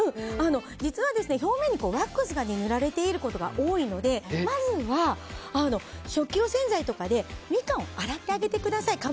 実は表面にワックスが塗られていることが多いのでまずは食器用洗剤とかでミカンを洗ってあげてください。